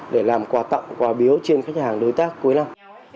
để làm quà tặng quà biếu trên khách hàng đối tác cuối năm